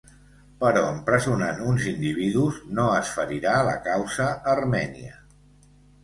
Però empresonant uns individus no es ferirà la causa armènia.